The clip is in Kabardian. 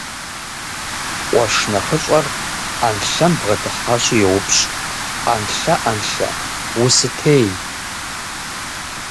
Къуэш нэхъыщӀэр Ӏэнлъэм бгъэдыхьащи йоупщӀ: – Ӏэнлъэ, Ӏэнлъэ, усытей?